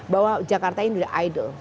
bahwa jakarta ini tidak idol